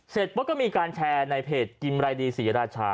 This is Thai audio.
เสร็จปุ๊บก็มีการแชร์ในเพจกิมรายดีศรีราชา